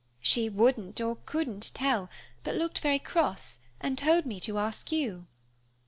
"She wouldn't or couldn't tell, but looked very cross and told me to ask you."